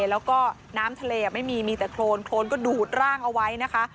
แล้วก็น้ำทะเลไม่มีมีแต่โครนโครนก็ดูดร่างเอาไว้นะคะ